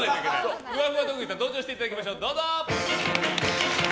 ふわふわ特技さん登場していただきましょう。